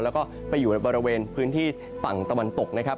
แล้วก็ไปอยู่ในบริเวณพื้นที่ฝั่งตะวันตกนะครับ